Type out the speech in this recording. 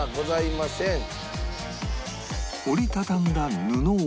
折り畳んだ布を